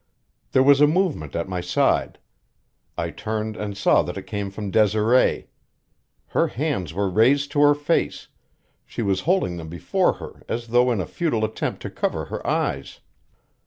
There was a movement at my side. I turned and saw that it came from Desiree. Her hands were raised to her face; she was holding them before her as though in a futile attempt to cover her eyes.